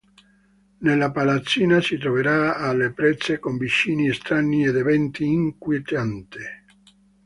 Nella palazzina si troverà alle prese con vicini strani ed eventi inquietanti.